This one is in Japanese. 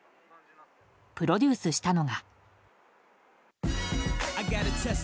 プロデュースしたのが。